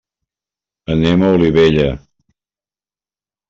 Anem a Olivella.